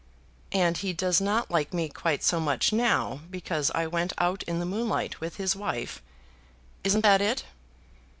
"And he does not like me quite so much now, because I went out in the moonlight with his wife. Isn't that it?"